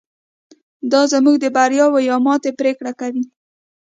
دا زموږ د بریا یا ماتې پرېکړه کوي.